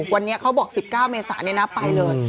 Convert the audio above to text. วันนี้เขาบอก๑๙เมษานั้นนะไปเลย